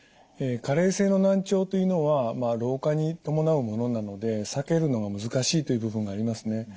加齢性の難聴というのは老化に伴うものなので避けるのが難しいという部分がありますね。